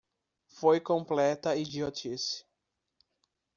Foi completa idiotice.